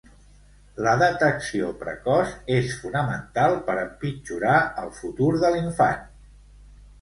La detecció precoç és fonamental per empitjorar el futur de l'infant.